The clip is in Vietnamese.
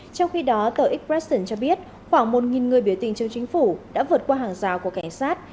trong khi đó tờ expression cho biết khoảng một người biểu tình trong chính phủ đã vượt qua hàng rào của cảnh sát